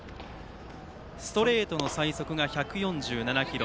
ストレートの最速が１４７キロ。